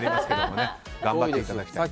頑張っていただきたい。